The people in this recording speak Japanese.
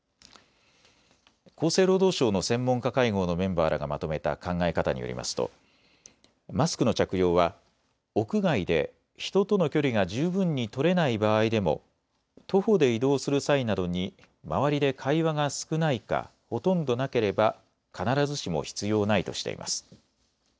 厚生労働省の専門家会合のメンバーらがまとめた考え方によりますとマスクの着用は屋外で人との距離が十分に取れない場合でも徒歩で移動する際などに周りで会話が少ないかほとんどなければ必ずしも必要ないとしています。